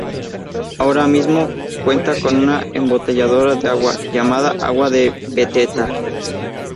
Ahora mismo cuenta con una embotelladora de agua, llamada Agua de Beteta.